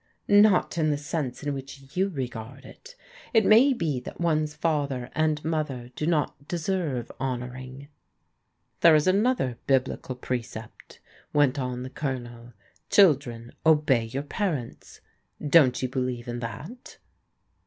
"" Not in the sense in which you regard it. It may be that one's father and mother do not deserve honouring." "There is another Biblical precept," went on the Colonel. "' Children, obey your parents.' Don't you believe in that